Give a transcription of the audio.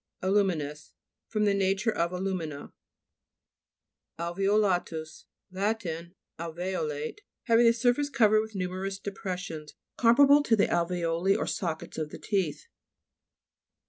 ALU'MINOUS Of the nature of alu' mina. ALVEOLA'TUS Lat. Alve'olate. Hav ing the surface covered with nu merous depressions, comparable to the alve'oli or sockets of the teeth.